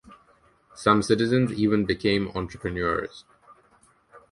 Some citizens even became entrepreneurs.